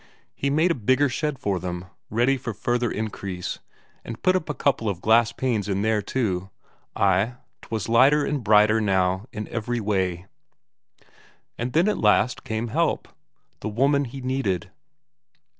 He made a bigger shed for them, ready for further increase, and put a couple of glass panes in there too. Ay, 'twas lighter and brighter now in every way. And then at last came help; the woman he needed.